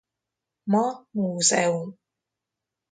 Ma múzeum.